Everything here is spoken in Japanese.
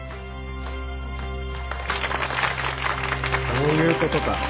そういうことか。